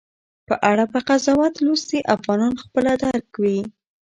په اړه به قضاوت لوستي افغانان خپله درک وي